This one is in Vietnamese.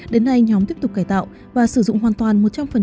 đến nay nhóm tiếp tục cải tạo và sử dụng hoàn toàn một trăm linh